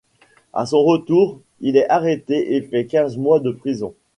À son retour il est arrêté et fait quinze mois de prison.